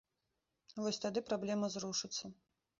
Вось тады праблема зрушыцца.